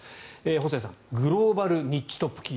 細谷さんグローバルニッチトップ企業。